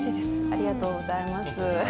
ありがとうございます。